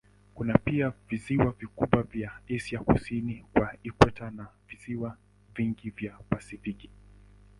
Kuna pia visiwa vikubwa vya Asia kusini kwa ikweta na visiwa vingi vya Pasifiki.